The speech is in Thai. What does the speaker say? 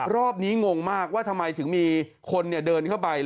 รอบนี้งงมากว่าทำไมถึงมีคนเดินเข้าไป